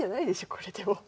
これでも。